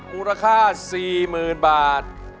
มูลค่า๔๐๐๐บาท